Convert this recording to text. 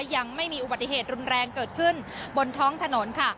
ยังไม่มีอุบัติเหตุรุนแรงเกิดขึ้นบนท้องถนนค่ะ